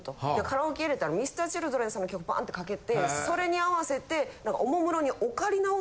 カラオケ入れたらＭｒ．Ｃｈｉｌｄｒｅｎさんの曲バーンとかけてそれに合わせておもむろに。